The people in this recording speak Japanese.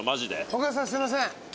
尾形さんすいません。